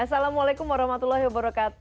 assalamualaikum wr wb